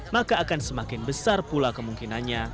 maka akan semakin besar pula kemungkinannya